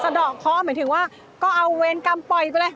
ดอกเคาะหมายถึงว่าก็เอาเวรกรรมปล่อยไปเลย